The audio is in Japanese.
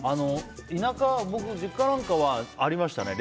田舎、僕の実家なんかはありましたね。